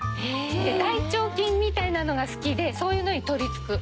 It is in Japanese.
大腸菌みたいなのが好きでそういうのに取りつく。